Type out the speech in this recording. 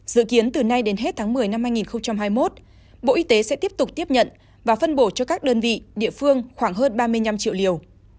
dự kiến từ nay đến hết tháng một mươi năm hai nghìn hai mươi một bộ y tế sẽ tiếp tục tiếp nhận và phân bổ cho các đơn vị địa phương khoảng hơn ba mươi năm triệu liều